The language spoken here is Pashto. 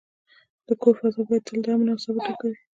د کور فضا باید تل د امن او صبر ډکه وي.